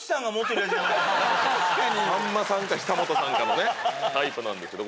⁉さんまさんか久本さんのタイプなんですけど。